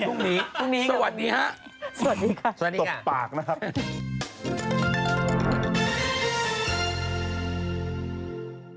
พรุ่งนี้กันมาสวัสดีค่ะตบปากนะครับแล้วคุณค่ะ